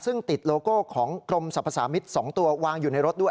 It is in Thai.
ซึ่งติดโลโก้ของกรมสรรพสามิตร๒ตัววางอยู่ในรถด้วย